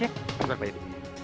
ya sudah mas